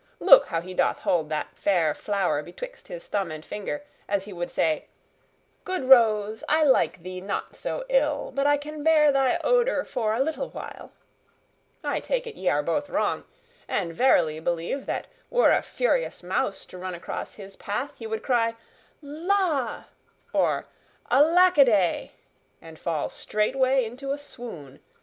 Look how he doth hold that fair flower betwixt his thumb and finger, as he would say, 'Good rose, I like thee not so ill but I can bear thy odor for a little while.' I take it ye are both wrong, and verily believe that were a furious mouse to run across his path, he would cry, 'La!' or 'Alack a day!' and fall straightway into a swoon.